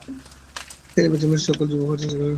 তিনি বেলজিয়ামের সকল যুব পর্যায়ে খেলেছেন।